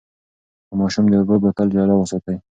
د ماشوم د اوبو بوتل جلا وساتئ.